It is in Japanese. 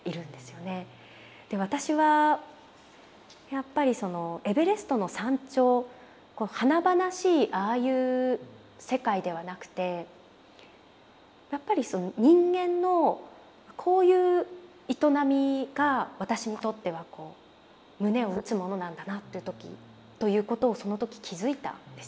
で私はやっぱりそのエベレストの山頂こう華々しいああいう世界ではなくてやっぱり人間のこういう営みが私にとっては胸を打つものなんだなということをその時気付いたんですよね。